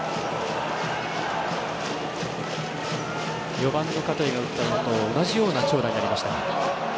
４番の香取が打ったのと同じような長打になりました。